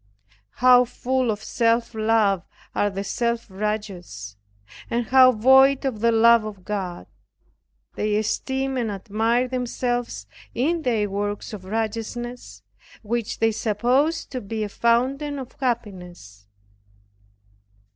How full of self love are the self righteous, and how void of the love of God! They esteem and admire themselves in their works of righteousness, which they suppose to be a fountain of happiness.